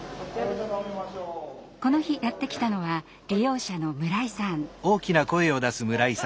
この日やって来たのは利用者の村井さん。